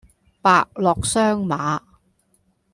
伯樂相馬